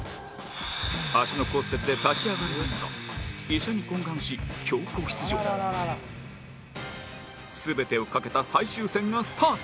足の骨折で立ち上がれないが医者に懇願し強行出場全てを懸けた最終戦がスタート